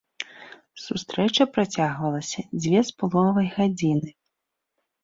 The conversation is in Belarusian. Сустрэча працягвалася дзве з паловай гадзіны.